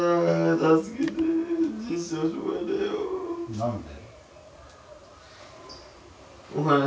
何で？